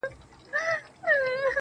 شرجلال مي ته، په خپل جمال کي کړې بدل.